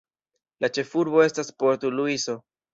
La ĉefurbo estas Port-Luiso.